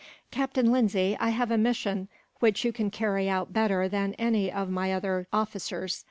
"Captain Lindsay, I have a mission which you can carry out better than any of my other officers.